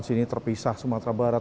sini terpisah sumatera barat